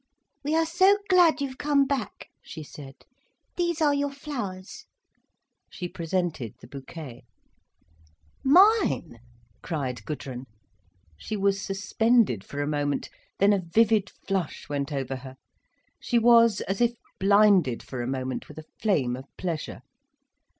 "We are so glad you've come back," she said. "These are your flowers." She presented the bouquet. "Mine!" cried Gudrun. She was suspended for a moment, then a vivid flush went over her, she was as if blinded for a moment with a flame of pleasure.